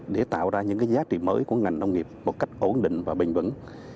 để tạo ra những giá trị mới của ngành nông nghiệp một cách ổn định và bình vững